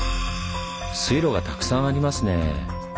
水路がたくさんありますねぇ。